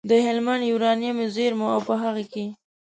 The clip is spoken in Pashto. د هلمند یورانیمو زېرمو او په هغه کې